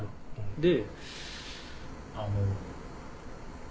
であの。